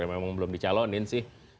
yang memang belum dicalonin sih